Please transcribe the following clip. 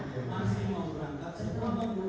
selain yang dikawal rukus